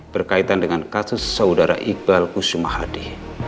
berkaitan dengan kasus saudara iqbal kusumahadi